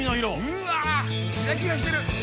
うわキラキラしてる！